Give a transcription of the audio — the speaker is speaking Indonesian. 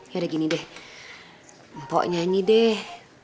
ya udah gini deh mpok nyanyi deh